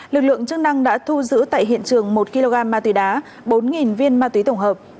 lực lượng chức năng đã thu giữ tại hiện trường một kg ma túy đá bốn viên ma túy tổng hợp